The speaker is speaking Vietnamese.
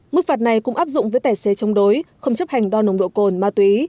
mức phạt này cũng áp dụng với tài xế chống đối không chấp hành đo nồng độ cồn ma túy